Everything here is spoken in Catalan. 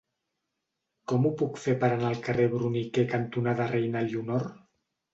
Com ho puc fer per anar al carrer Bruniquer cantonada Reina Elionor?